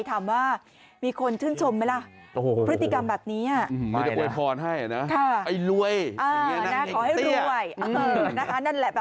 ถามว่ามีคนชื่นชมไหมล่ะ